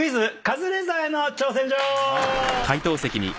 カズレーザーへの挑戦状！